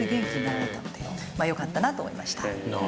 よかったなと思いました。